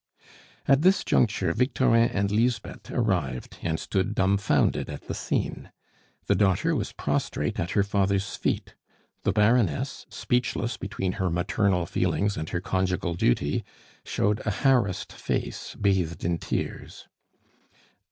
At this juncture Victorin and Lisbeth arrived, and stood dumfounded at the scene. The daughter was prostrate at her father's feet. The Baroness, speechless between her maternal feelings and her conjugal duty, showed a harassed face bathed in tears.